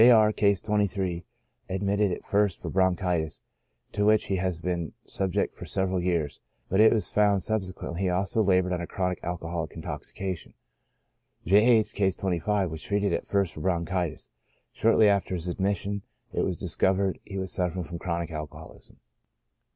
R —, (Case 23,) admitted at first for bronchitis, to which he has been subject for several years ; but it was found subsequently he also labored under chronic alcoholic intoxication ; J. H. (Case 25,) vi^as treated at first for bronchitis, shortly after his admission it was discovered he was suffering from chronic alcoholism.